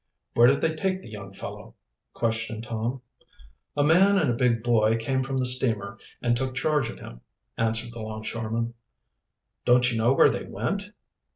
"Where did they take the young fellow?" questioned Tom. "A man and a big boy came from the steamer and took charge of him," answered the longshoreman. "Don't you know where they went?"